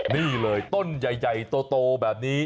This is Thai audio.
นี่เลยต้นใหญ่โตแบบนี้